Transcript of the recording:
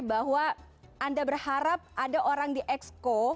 bahwa anda berharap ada orang di exco